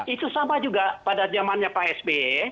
itu sama juga pada zamannya pak sb